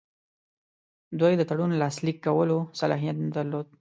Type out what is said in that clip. دوی د تړون لاسلیک کولو صلاحیت نه درلود.